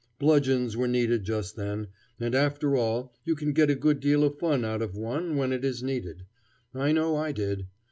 Bludgeons were needed just then, and, after all, you can get a good deal of fun out of one when it is needed. I know I did.